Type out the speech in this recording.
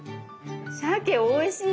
しゃけおいしい！